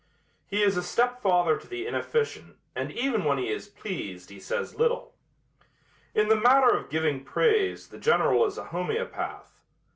He is a stepfather to the inefficient and even when he is pleased he says little. In the matter of giving praise the General is a homeopath.